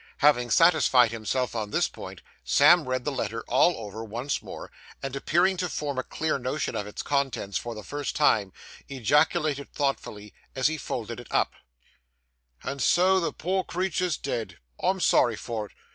Having satisfied himself on this point, Sam read the letter all over, once more, and, appearing to form a clear notion of its contents for the first time, ejaculated thoughtfully, as he folded it up 'And so the poor creetur's dead! I'm sorry for it.